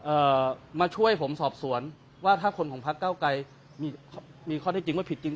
เอ่อมาช่วยผมสอบสวนว่าถ้าคนของพักเก้าไกรมีมีข้อได้จริงว่าผิดจริง